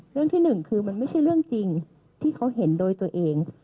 เรื่องที่หนึ่งคือมันไม่ใช่เรื่องจริงที่เขาเห็นโดยตัวเอง